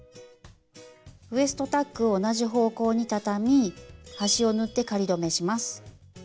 ウエストタックを同じ方向に畳み端を縫って仮留めします。